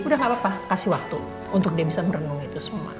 udah gak apa apa kasih waktu untuk dia bisa merenung itu semua